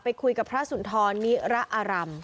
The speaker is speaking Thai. คุยกับพระสุนทรนิระอารำ